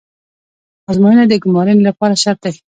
ازموینه د ګمارنې لپاره شرط ده